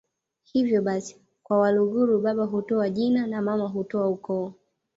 Hivyo basi kwa Waluguru baba hutoa jina na mama hutoa ukoo